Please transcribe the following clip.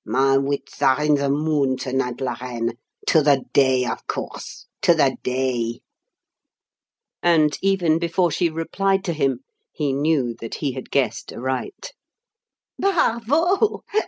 "My wits are in the moon to night, la reine. 'To the day,' of course 'To the day!'" And even before she replied to him, he knew that he had guessed aright. "Bravo!"